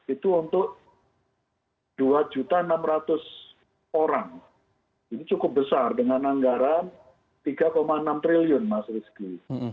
itu untuk dua enam ratus orang ini cukup besar dengan anggaran rp tiga enam triliun mas rizky